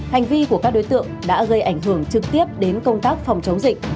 hành vi của các đối tượng đã gây ảnh hưởng trực tiếp đến công tác phòng chống dịch